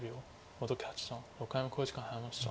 本木八段６回目の考慮時間に入りました。